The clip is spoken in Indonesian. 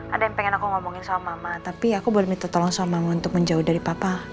ada yang pengen aku ngomongin sama mama tapi aku belum minta tolong samamu untuk menjauh dari papa